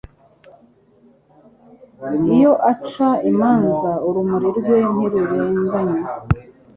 iyo aca imanza ururimi rwe ntirurenganya